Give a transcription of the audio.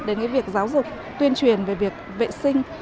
đến việc giáo dục tuyên truyền về việc vệ sinh